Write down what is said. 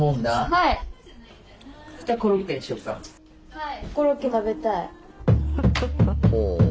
はい！